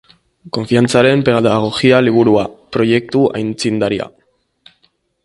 Konfiantzaren pedagogia liburua, proiektu aitzindaria.